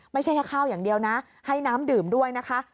ไม่ใช่แค่ข้าวอย่างเดียวนะให้น้ำดื่มด้วยนะคะ